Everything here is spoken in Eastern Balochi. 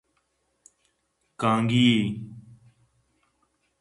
کانگی ئے